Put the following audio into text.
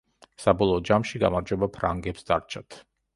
საბოლოო ჯამში გამარჯვება ფრანგებს დარჩათ.